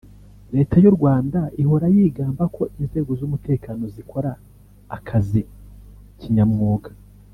Leta y’ u Rwanda ihora yigamba ko inzego z’ Umutekano zikora akazi kinyamwuga